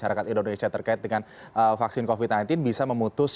harusnya yang harus